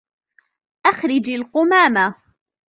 أخرج القمامة!